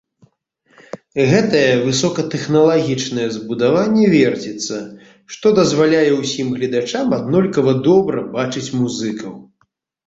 Гэтае высокатэхналагічнае збудаванне верціцца, што дазваляе ўсім гледачам аднолькава добра бачыць музыкаў.